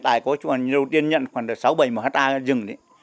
mà vừa rồi năm vừa rồi bán ba lô